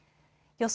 予想